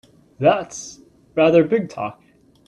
That's rather big talk!